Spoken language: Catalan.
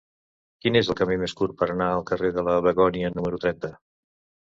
Quin és el camí més curt per anar al carrer de la Begònia número trenta?